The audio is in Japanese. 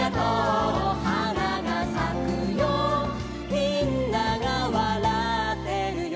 「みんながわらってるよ」